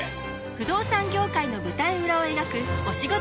不動産業界の裏側を描くお仕事